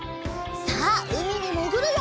さあうみにもぐるよ！